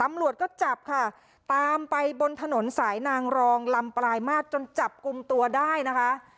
ตำรวจก็จับค่ะตามไปบนถนนสายนางรองลำปลายมาตรจนจับกลุ่มตัวได้นะคะ